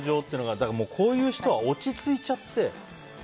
でも、こういう人は落ち着いちゃって。